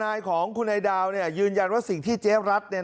นายของคุณไอ้ดาวยืนยันว่าสิ่งที่เจ๊รัฐ